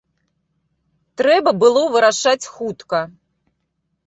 Трэба было вырашаць хутка!